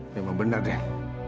memang benar den